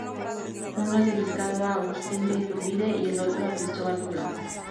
Uno dedicado a Agustín de Iturbide y el otro a Cristóbal Colón.